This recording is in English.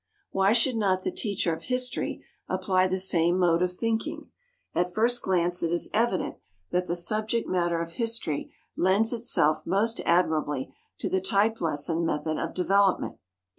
Why should not the teacher of history apply the same mode of thinking? At first glance it is evident that the subject matter of history lends itself most admirably to the type lesson method of development.